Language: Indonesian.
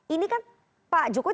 ini kan pak jokowi